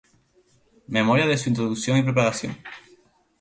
Memoria de su introducción y propagación".